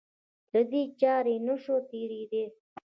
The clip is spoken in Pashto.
له دې چارې نه شو تېرېدای.